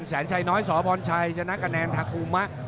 แสนชัยน้อยสพรชัยชนะคะแนนทาคุมะ